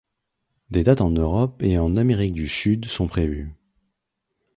Des dates en Europe et en Amérique du Sud sont prévues.